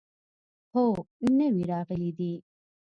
هو، نوي راغلي دي